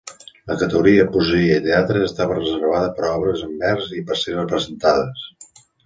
La categoria "Poesia i teatre" estava reservada per a obres en vers i per ser representades.